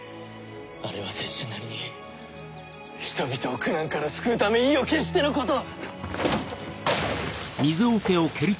あれは拙者なりに人々を苦難から救うため意を決してのこと！